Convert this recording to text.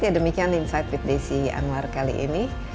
ya demikian insight with desi anwar kali ini